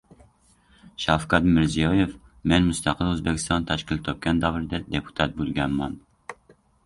Shavkat Mirziyoyev: «Men mustaqil O‘zbekiston tashkil topgan davrda deputat bo‘lganman»